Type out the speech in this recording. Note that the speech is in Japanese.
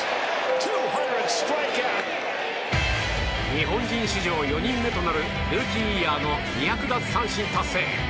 日本人史上４人目となるルーキーイヤーの２００奪三振達成。